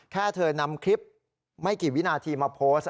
เธอนำคลิปไม่กี่วินาทีมาโพสต์